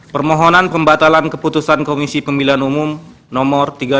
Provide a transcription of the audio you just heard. permohonan pembatalan keputusan komisi pemilihan umum nomor